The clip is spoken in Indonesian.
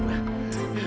udah berani aja